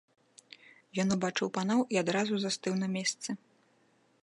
Ён убачыў паноў і адразу застыў на месцы.